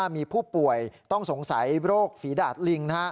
มีผู้ป่วยต้องสงสัยโรคฝีดาดลิง